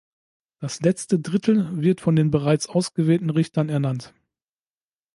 Das letzte Drittel, wird von den bereits ausgewählten Richtern ernannt.